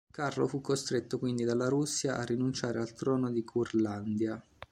Carlo fu costretto quindi dalla Russia a rinunciare al trono di Curlandia.